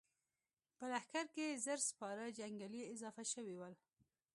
په لښکر کې يې زر سپاره جنګيالي اضافه شوي ول.